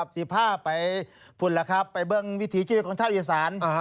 สิบห้าไปผุ่นละครับไปเบื้องวิถีชีวิตของชาวอีสาน